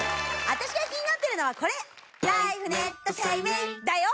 あたしが気になってるのはこれ！だよ！